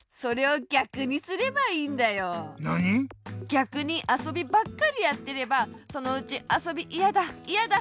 ぎゃくにあそびばっかりやっていればそのうち「あそびいやだいやだ！